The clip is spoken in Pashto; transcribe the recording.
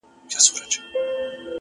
• نو خورا شاعرانه کلمات ,